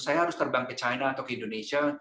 saya harus terbang ke china atau ke indonesia